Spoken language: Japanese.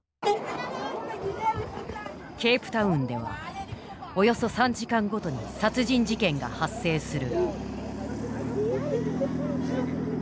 ケープタウンではおよそ３時間ごとに殺人事件が発生する。